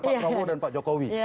pak prabowo dan pak jokowi